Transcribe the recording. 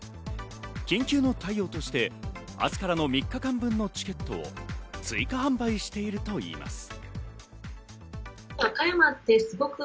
緊急の対応として明日からの３日間分のチケットを追加販売しているといいます。